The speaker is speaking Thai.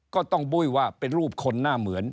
ก็ต้องบุ้ยว่าเป็นรูปคนหน้าเหมือน